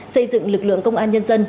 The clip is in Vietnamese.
xây dựng lực lượng công an nhân dân